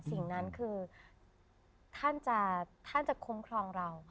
สิ่งนั้นคือท่านจะพูดคล้องเรา